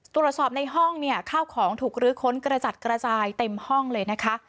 ตรวจสอบในห้องเนี่ยข้าวของถูกลื้อค้นกระจัดกระจายเต็มห้องเลยนะคะ